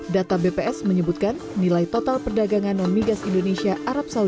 data bps menyebutkan nilai total perdagangan non migas indonesia arab saudi